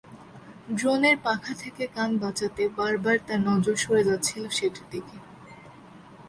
ড্রোনের পাখা থেকে কান বাঁচাতে বারবার তাঁর নজর সরে যাচ্ছিল সেটির দিকে।